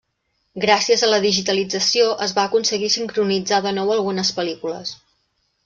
Gràcies a la digitalització, es va aconseguir sincronitzar de nou algunes pel·lícules.